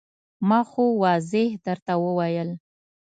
ما خو واضح درته وویل.